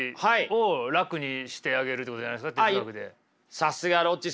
さすがロッチさん。